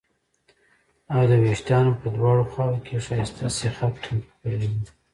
او د وېښتانو په دواړو خواوو کې یې ښایسته سیخک ټینګ کړي وو